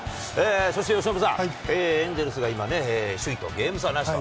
そして由伸さん、エンゼルスが今ね、首位とゲーム差なしと。